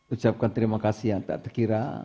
ucapkan terima kasih yang tak terkira